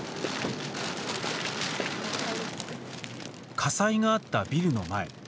火災があったビルの前。